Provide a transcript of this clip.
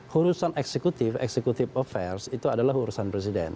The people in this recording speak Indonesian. hurusan eksekutif executive affairs itu adalah hurusan presiden